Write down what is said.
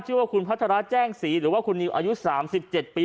ชื่อว่าคุณพัทราแจ้งสีหรือว่าคุณอายุสามสิบเจ็ดปี